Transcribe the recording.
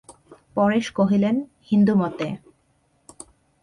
পরেশ কহিলেন, হিন্দুমতে।